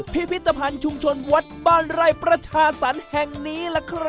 พิพิธภัณฑ์ชุมชนวัดบ้านไร้ประชาศันทร์แห่งนี้